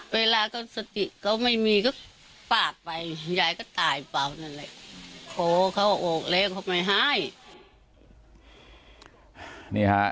เวลาสติไม่มีก็ปากไป